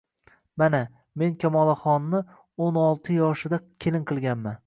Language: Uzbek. Mana, men Kamolaxonnio`n olti yoshida kelin qilganman